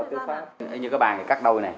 ý như cái bàn thì cắt đôi này